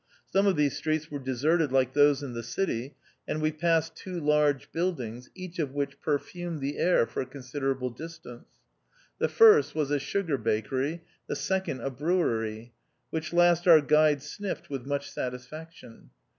Some of these streets were deserted like those in the city, and we passed two large buildings, each of which perfumed the air for a considerable distance ; the first was a sugar bakery, the second a brewery, which last our guide sniffed with much satisfaction.